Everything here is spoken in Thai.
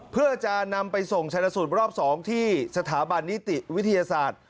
เพื่อจะนำไปส่งชนะสูตรรอบ๒ที่สถาบันนิติวิทยาศาสตร์